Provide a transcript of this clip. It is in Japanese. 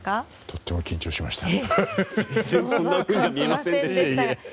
とっても緊張しました。